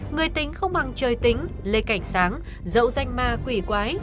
người tính không bằng trời tính lê cảnh sáng dẫu danh ma quỷ quái